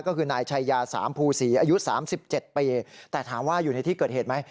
ก็คือนายชัยยาสามภูศรีอายุ๓๗ปีแต่ถามว่าอยู่ในที่เกิดเหตุไหม